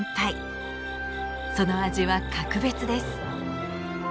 その味は格別です。